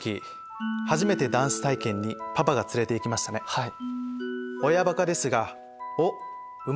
はい。